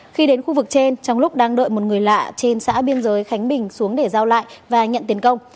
khi đến khu vực trên trong lúc đang đợi một người lạ trên xã biên giới khánh bình xuống để giao lại và nhận tiền công